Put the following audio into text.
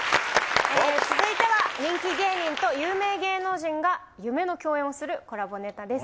続いては、人気芸人と有名芸能人が夢の共演をするコラボネタです。